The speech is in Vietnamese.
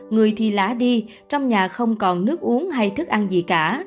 người thì lá đi trong nhà không còn nước uống hay thức ăn gì cả